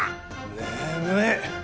眠い！